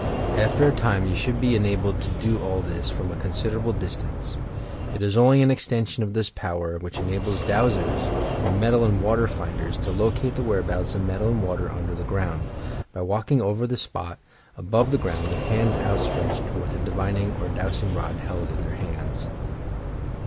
After a time, you should be enabled to do all this from a considerable distance. It is only an ex tension of this power which enables "dowsers" or metal and water finders to locate the whereabouts of metal and water under the ground, by walking over the spot, above ground, with hands outstretched, or with a divining or dowsing rod held in their hands.